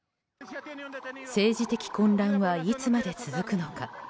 政治的混乱はいつまで続くのか。